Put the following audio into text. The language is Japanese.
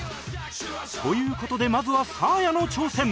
という事でまずはサーヤの挑戦